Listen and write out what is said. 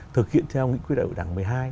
thực hiện theo nghị quyết đại hội đảng một mươi hai